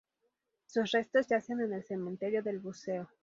Sus restos yacen en el Cementerio del Buceo.